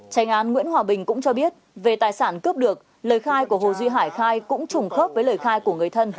tranh án nguyễn hòa bình cũng cho biết về tài sản cướp được lời khai của hồ duy hải khai cũng trùng khớp với lời khai của người thân